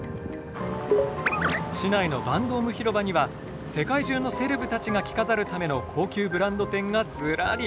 市内のバンドーム広場には世界中のセレブたちが着飾るための高級ブランド店がずらり。